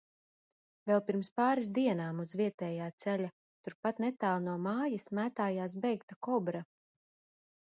Vēl pirms pāris dienām uz vietējā ceļa, turpat netālu no mājas, mētājās beigta kobra.